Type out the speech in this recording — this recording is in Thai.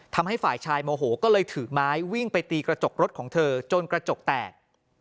ทำให้ฝ่ายชายโมโหก็เลยถือไม้วิ่งไปตีกระจกรถของเธอจนกระจกแตก